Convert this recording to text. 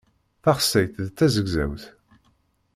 Taxsayt d tazegzawt.